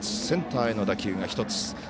センターへの打球が１つ。